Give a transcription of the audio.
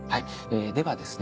ではですね